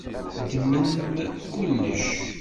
Ddmem kullec.